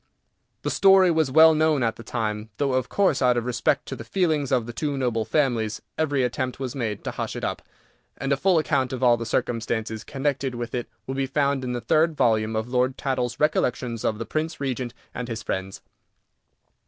The story was well known at the time, though, of course, out of respect to the feelings of the two noble families, every attempt was made to hush it up, and a full account of all the circumstances connected with it will be found in the third volume of Lord Tattle's Recollections of the Prince Regent and his Friends.